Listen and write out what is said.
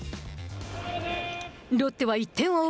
ロッテは１点を追う